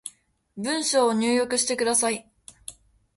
文章を入力してください